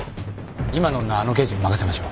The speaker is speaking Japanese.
今の女はあの刑事に任せましょう。